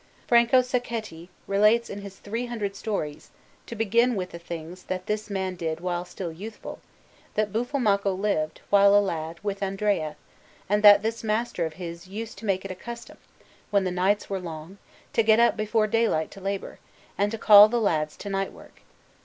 Franco Sacchetti relates in his three hundred Stories (to begin with the things that this man did while still youthful), that Buffalmacco lived, while he was a lad, with Andrea, and that this master of his used to make it a custom, when the nights were long, to get up before daylight to labour, and to call the lads to night work.